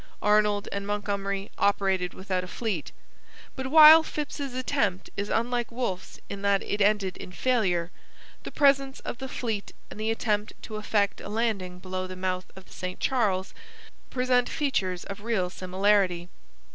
Arnold and Montgomery operated without a fleet. But while Phips's attempt is unlike Wolfe's in that it ended in failure, the presence of the fleet and the attempt to effect a landing below the mouth of the St Charles present features of real similarity.